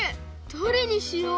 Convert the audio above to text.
どれにしよう！？